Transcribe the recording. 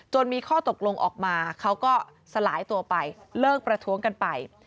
มีข้อตกลงออกมาเขาก็สลายตัวไปเลิกประท้วงกันไป